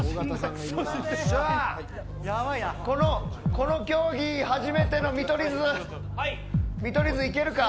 この競技、初めての見取り図見取り図いけるか。